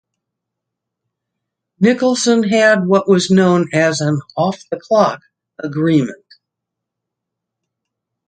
Nicholson had what was known as an "off-the-clock" agreement.